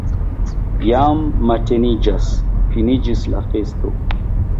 Jam mateniĝas, finiĝis la festo!